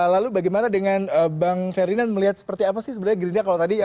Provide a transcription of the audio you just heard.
lalu bagaimana dengan bang ferdinand melihat seperti apa sih sebenarnya gerinda kalau tadi